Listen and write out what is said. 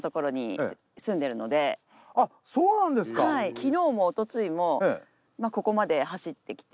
昨日もおとついもまあここまで走ってきて。